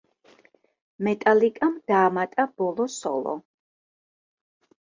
მეტალიკამ დაამატა ბოლო სოლო.